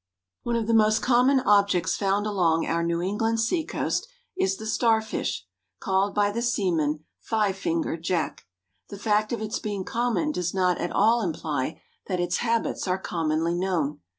One of the most common objects found along our New England sea coast is the star fish, called by the seamen "Five fingered Jack." The fact of its being common does not at all imply that its habits are commonly known.